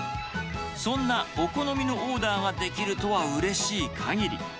そんなお好みのオーダーができるとはうれしいかぎり。